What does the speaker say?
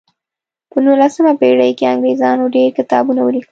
په نولسمه پیړۍ کې انګریزانو ډیر کتابونه ولیکل.